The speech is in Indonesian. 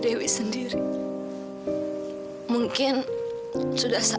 kebanyakan dasanya bukannya jalan